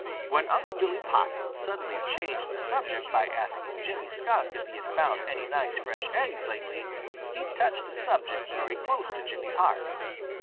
When Unc' Billy Possum suddenly changed the subject by asking Jimmy Skunk if he had found any nice fresh eggs lately, he touched a subject very close to Jimmy's heart.